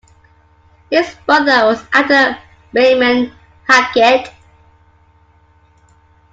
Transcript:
His brother was actor Raymond Hackett.